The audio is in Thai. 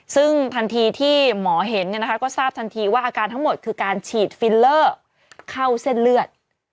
ซึ่งทันทีที่หมอเห็นก็ทราบทันทีว่าอาการทั้งหมดคือการฉีดฟิลเลอร์เข้าเส้นเลือด